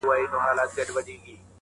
ستا د کیږدۍ له ماښامونو سره لوبي کوي٫